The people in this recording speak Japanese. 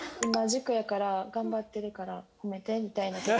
「今塾やから頑張ってるから褒めて」みたいな。